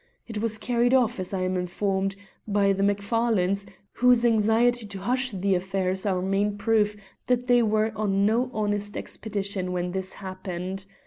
It was carried off, as I am informed, by the Macfarlanes, whose anxiety to hush the affair is our main proof that they were on no honest expedition when this happened.